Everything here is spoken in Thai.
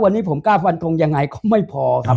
วันนี้ผมกล้าฟันทงยังไงก็ไม่พอครับ